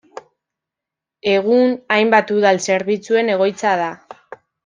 Egun hainbat udal zerbitzuen egoitza da.